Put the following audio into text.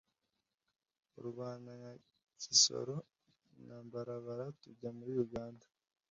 u Rwanda nka Kisoro na Mbarara tujya muri Uganda